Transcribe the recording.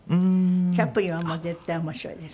チャップリンは絶対面白いです。